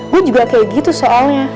gue juga kayak gitu soalnya